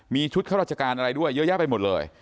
มีชุดข้าราชการอะไรด้วยเยอะแยะไปหมดเลย